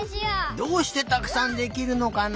どうしてたくさんできるのかな？